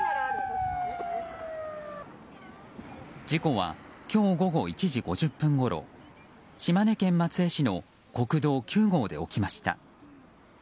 事故は今日午後１時５０分ごろ島根県松江市の国道９号で起きました。